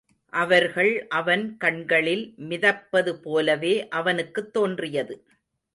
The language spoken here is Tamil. அவர்கள் அவன் கண்களில் மிதப்பதுபோலவே அவனுக்குத் தோன்றியது.